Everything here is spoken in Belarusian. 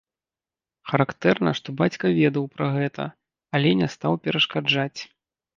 Характэрна, што бацька ведаў пра гэта, але не стаў перашкаджаць.